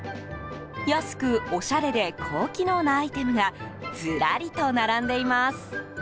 安く、おしゃれで高機能なアイテムがずらりと並んでいます。